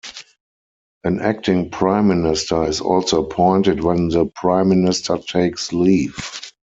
An acting Prime Minister is also appointed when the prime minister takes leave.